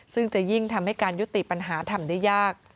ซึ่งจะยิ่งทำให้การยุติปัญหาทำได้ยาก